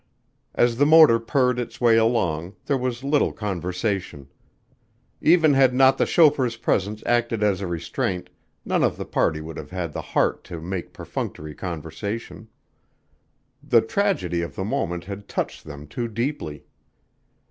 As the motor purred its way along, there was little conversation. Even had not the chauffeur's presence acted as a restraint, none of the party would have had the heart to make perfunctory conversation; the tragedy of the moment had touched them too deeply.